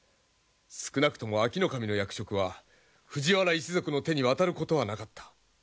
少なくとも安芸守の役職は藤原一族の手に渡ることはなかった。